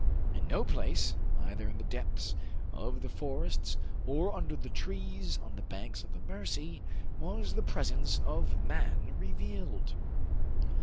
In no place, either in the depths of the forests or under the trees on the banks of the Mercy, was the presence of man revealed.